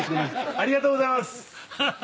ありがとうございます！